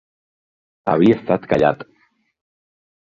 Havia estat callat.